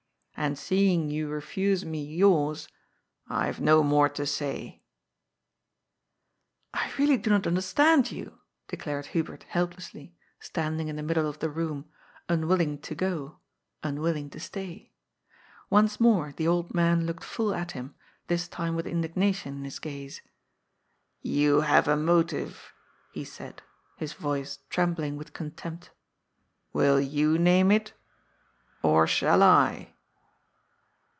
And seeing you refuse me yours, I have no more to say." ^' I really do not understand you," declared Hubert helplessly, standing in the middle of the room, unwilling to go, unwilling to stay. Once more the old man looked full at him, this time with indignation in his gaze :'^ You have a motive," he said, his voice trembling with contempt. " Will you name it ? Or shall I